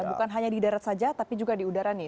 bukan hanya di darat saja tapi juga di udara nih